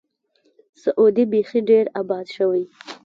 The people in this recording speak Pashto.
سعودي بیخي ډېر آباد شوی.